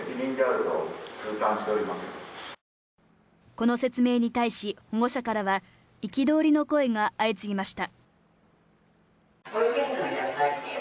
この説明に対し、保護者からは憤りの声が相次ぎました。